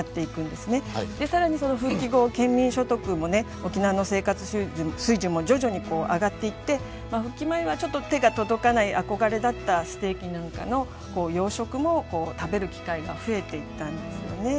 で更にその復帰後県民所得も沖縄の生活水準も徐々に上がっていって復帰前はちょっと手が届かない憧れだったステーキなんかの洋食も食べる機会が増えていったんですよね。